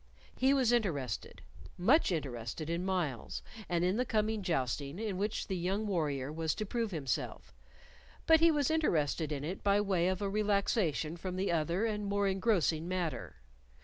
He was interested much interested in Myles and in the coming jousting in which the young warrior was to prove himself, but he was interested in it by way of a relaxation from the other and more engrossing matter.